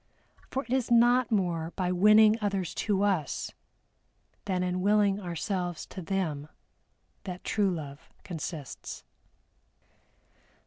For it is not more by winning others to us, than in willing ourselves to them that true Love consists.